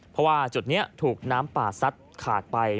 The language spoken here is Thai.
เพราะว่าจุดนี้ถูกน้ำป่าซัดขาดไป